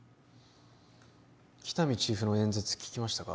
喜多見チーフの演説聞きましたか？